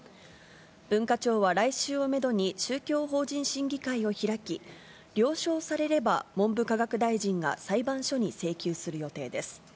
文化庁は来週をメドに宗教法人審議会を開き、了承されれば、文部科学大臣が裁判所に請求する予定です。